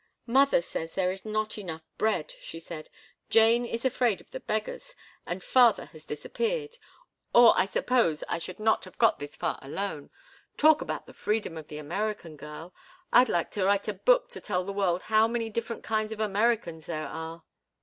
"Mother says there is not enough bread," she said. "Jane is afraid of the beggars and father has disappeared, or I suppose I should not have got this far alone. Talk about the freedom of the American girl! I'd like to write a book to tell the world how many different kinds of Americans there are."